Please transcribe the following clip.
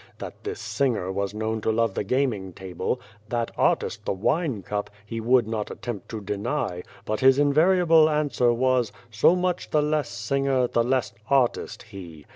That this singer was known to love the gaming table, that artist the wine cup, he would not attempt to deny, but his invari able answer was :* So much the less singer, the less artist, he